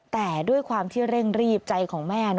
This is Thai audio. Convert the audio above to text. แต่ด้วยความที่เร่งรีบใจของแม่